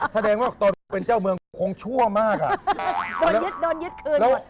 แสดงว่าตอนเป็นเจ้าเมืองคงชั่วมากโดนยึดคืน